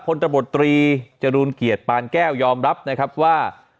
ตบตรีจรูลเกียรติปานแก้วยอมรับนะครับว่า